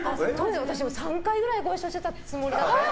私３回ぐらいご一緒してたつもりだった。